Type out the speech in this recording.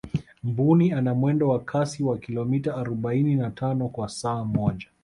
mbuni ana mwendo kasi wa kilomita arobaini na tano kwa saa moja